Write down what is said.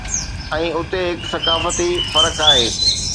۽ اتي هڪ ثقافتي فرق آهي